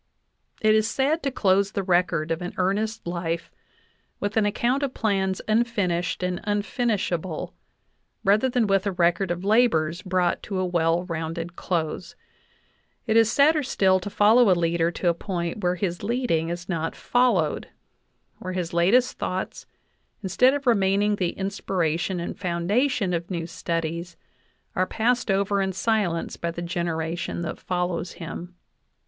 It is sad to close the record of an earnest life with an ac count of plans unfinished and unfinishable, rather than with a record of labors brought to a well rounded .close ; it is sadder still to follow a leader to a point where his leading is not fol lowed where his latest thoughts, instead of remaining the in spiration and foundation of new studies, are passed over in silence by the generation that follows him.